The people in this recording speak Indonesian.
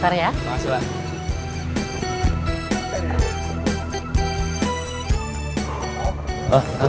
terima kasih bang